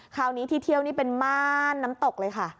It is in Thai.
คราวนี้ที่เที่ยวนี่เป็นม่านน้ำตกเลยค่ะ